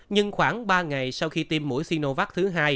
nhưng khoảng ba ngày sau khi tiêm mũi xinovac thứ hai